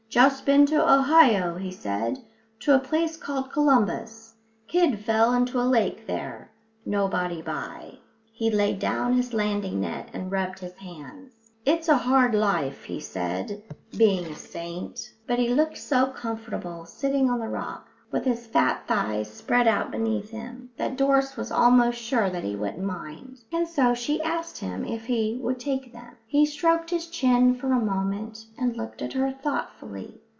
"Just been to Ohio," he said, "to a place called Columbus kid fell into a lake there nobody by." He laid down his landing net and rubbed his hands. "It's a hard life," he said, "being a saint." But he looked so comfortable, sitting on the rock, with his fat thighs spread out beneath him, that Doris was almost sure that he wouldn't mind, and so she asked him if he would take them. He stroked his chin for a moment and looked at her thoughtfully.